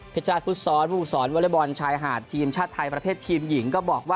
เพชรภุษรผู้สอนวอลเล็ตบอลชายหาดทีมชาติไทยประเภททีมหญิง